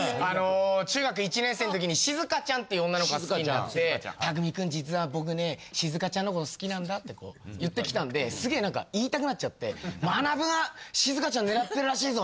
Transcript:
中学１年生のときにしずかちゃんっていう女の子が好きになってたくみ君。って言ってきたんですげえ言いたくなっちゃってまなぶがしずかちゃん狙ってるらしいぞ！